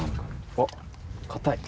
あっ硬い。